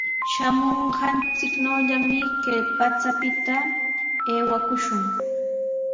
Shamunqanchiknawllami kay pachapita aywakushun.